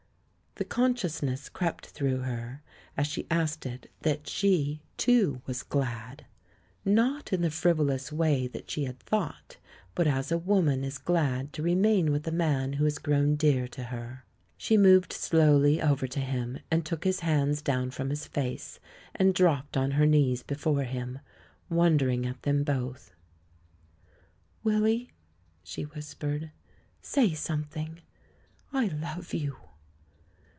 The consciousness crept through her, as she asked it, that she, too, was glad — not in the friv 122 THE MAN WHO UNDERSTOOD WOMEN olous way that she had thought, hut as a woman is glad to remain with a man who has grown dear to her. She moved slowly over to him, and took his hands down from his face, and dropped on her knees before him — wondering at them both. "Willy," she whispered, "say something — I love you!'